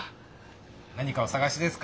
何かおさがしですか？